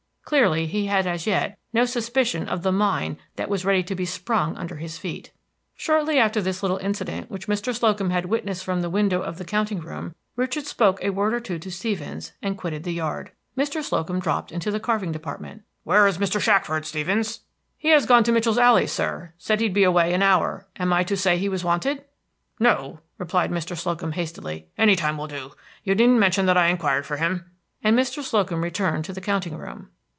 Clearly he had as yet no suspicion of the mine that was ready to be sprung under his feet. Shortly after this little incident, which Mr. Slocum had witnessed from the window of the counting room, Richard spoke a word or two to Stevens, and quitted the yard. Mr. Slocum dropped into the carving department. "Where is Mr. Shackford, Stevens?" "He has gone to Mitchell's Alley, sir. Said he'd be away an hour. Am I to say he was wanted?" "No," replied Mr. Slocum, hastily; "any time will do. You needn't mention that I inquired for him," and Mr. Slocum returned to the counting room.